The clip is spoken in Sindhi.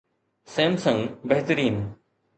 Samsung بهترين